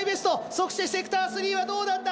そしてセクター３はどうなんだ。